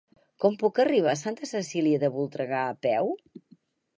Com puc arribar a Santa Cecília de Voltregà a peu?